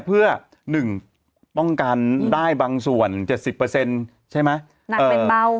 เพื่อหนึ่งป้องกันได้บางส่วนเจ็ดสิบเปอร์เซ็นต์ใช่ไหมหนักเป็นเบา